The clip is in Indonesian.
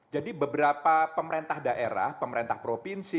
jadi beberapa pemerintah daerah pemerintah provinsi